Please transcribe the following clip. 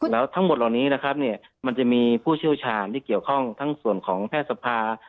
แล้วทั้งหมดเหล่านี้นะครับมันจะมีผู้เชี่ยวชาญที่เกี่ยวข้องทั้งส่วนของแพทย์สภา